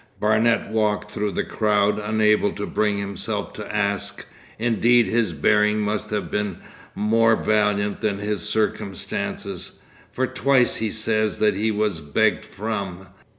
Barnet walked through the crowd, unable to bring himself to ask; indeed his bearing must have been more valiant than his circumstances, for twice he says that he was begged from.